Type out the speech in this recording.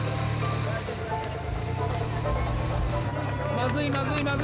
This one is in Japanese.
まずいまずいまずい。